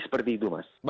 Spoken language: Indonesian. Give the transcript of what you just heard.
seperti itu mas